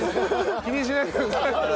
気にしないでください。